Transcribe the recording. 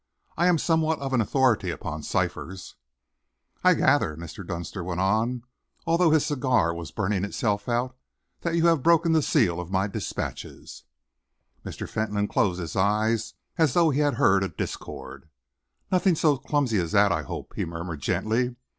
I am somewhat of an authority upon ciphers." "I gather," Mr. Dunster went on, although his cigar was burning itself out, "that you have broken the seal of my dispatches?" Mr. Fentolin closed his eyes as though he had heard a discord. "Nothing so clumsy as that, I hope," he murmured gently.